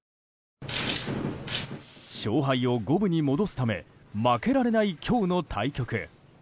勝敗を五分に戻すため負けられない今日の対局。